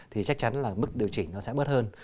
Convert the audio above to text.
thì chắc chắn là mức điều chỉnh nó sẽ bớt hơn